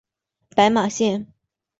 白马线